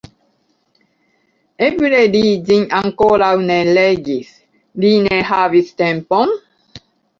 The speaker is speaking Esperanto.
Eble li ĝin ankoraŭ ne legis, li ne havis tempon?